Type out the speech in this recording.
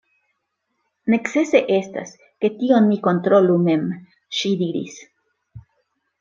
Necese estas, ke tion mi kontrolu mem, ŝi diris.